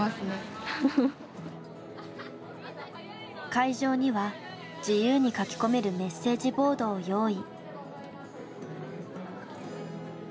会場には自由に書き込めるメッセージボードを用意。